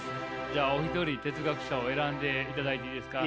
じゃあお一人哲学者を選んでいただいていいですか？